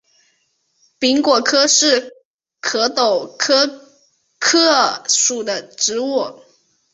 柄果柯是壳斗科柯属的植物。